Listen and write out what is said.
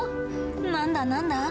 何だ何だ？